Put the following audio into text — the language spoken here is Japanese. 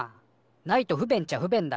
ないと不便っちゃ不便だな。